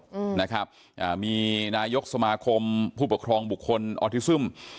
อืมนะครับอ่ามีนายกสมาคมผู้ปกครองบุคคลออทิซึม